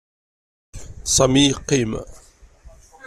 Sami yeqqim.